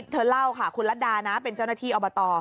เธอเล่าค่ะคุณรัฐดานะเป็นเจ้าหน้าที่อบต